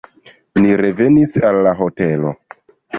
Ni revenis al la hotelo.